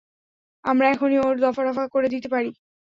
আমরা এখনই ওর দফারফা করে দিতে পারি।